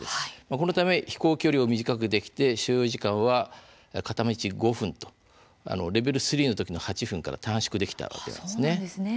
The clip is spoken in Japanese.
このため飛行距離を短くできて所要時間は片道５分とレベル３の時の８分から短縮できたわけなんです。